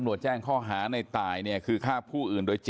ก็การตรวจสอบกล้องมูลทางสิทธิ์นะครับก็มีความสูญสมควรว่า